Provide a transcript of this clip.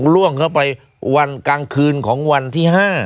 ล่วงเข้าไปวันกลางคืนของวันที่๕